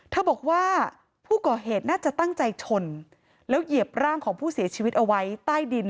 บอกว่าผู้ก่อเหตุน่าจะตั้งใจชนแล้วเหยียบร่างของผู้เสียชีวิตเอาไว้ใต้ดิน